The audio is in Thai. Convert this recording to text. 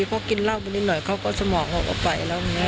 เพราะว่ากินเวลามานิดหน่อยเขาก็สมองไป